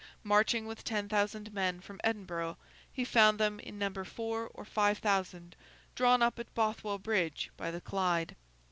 Marching with ten thousand men from Edinburgh, he found them, in number four or five thousand, drawn up at Bothwell Bridge, by the Clyde.